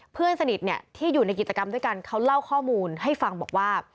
เพื่อนสนิทที่อยู่ในกิจกรรมด้วยกันเขาเล่าข้อมูลให้ฟังบอกว่า